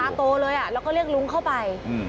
พี่รุ้งโทรเลยแล้วก็เรียกรุ้งเข้าไป